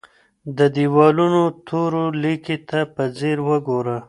د دیوالونو تورو لیکو ته په ځیر وګوره.